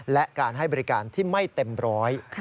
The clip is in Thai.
และการให้บริการที่ไม่เต็มร้อย